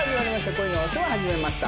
『恋のお世話始めました』。